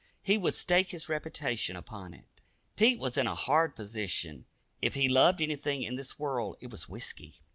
He would stake his reputation upon it. Pete was in a hard position. If he loved anything in this world, it was whisky.